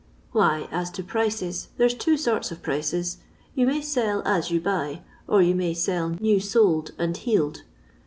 '' Why, as to prices, there 's two sorts of prices. You may sell as you buy, or you may sell new soled and heeled.